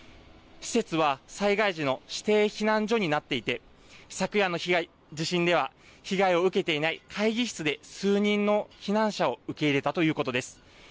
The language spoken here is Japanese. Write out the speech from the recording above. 施設は災害時の指定避難所になっていて昨夜の地震では被害を受けていない会議室で数人の避難者を受け入れたということです。